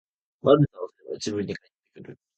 悪さをすれば自分に返ってくる